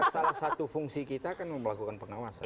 salah satu fungsi kita kan melakukan pengawasan